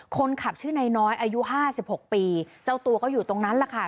คนขับชื่อนายน้อยอายุ๕๖ปีเจ้าตัวก็อยู่ตรงนั้นล่ะค่ะ